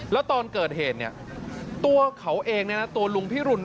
แล้วตอนเกิดเหตุเนี่ยตัวเขาเองตัวลุงพิรุณ